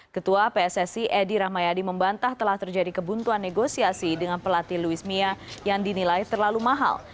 ketua pssi edi rahmayadi membantah telah terjadi kebuntuan negosiasi dengan pelatih luis mia yang dinilai terlalu mahal